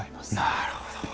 なるほど。